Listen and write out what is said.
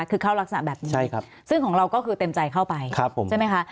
คือเข้ารักษณะแบบนี้ซึ่งของเราก็คือเต็มใจเข้าไปใช่ไหมคะ